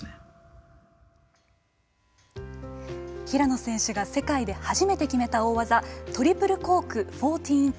平野選手が世界で初めて決めた大技トリプルコーク１４４０。